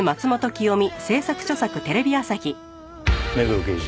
目黒刑事。